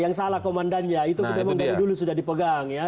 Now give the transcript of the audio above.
yang salah komandannya itu memang dari dulu sudah dipegang ya